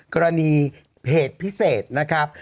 กรณีเพจพิเศษนะครับ